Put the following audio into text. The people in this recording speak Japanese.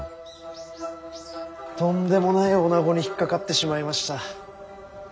とんでもない女子に引っ掛かってしまいました。